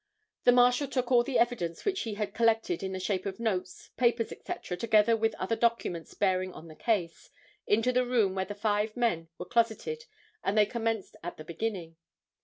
The Marshal took all the evidence which he had collected in the shape of notes, papers, etc., together with other documents bearing on the case, into the room where the five men were closeted and they commenced at the beginning.